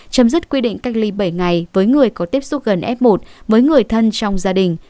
chấm dứt quy định cách ly bảy ngày với người có tiếp xúc gần f một với người thân trong gia đình